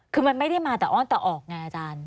คือมันไม่ได้มาแต่อ้อนแต่ออกไงอาจารย์